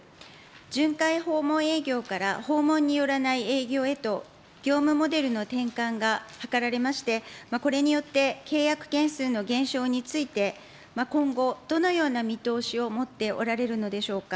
巡回訪問営業から訪問によらない営業へと、業務モデルの転換が図られまして、これによって、契約件数の減少について、今後、どのような見通しを持っておられるのでしょうか。